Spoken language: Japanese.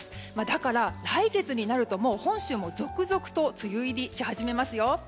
だから、来月になると本州も続々と梅雨入りし始めますよ。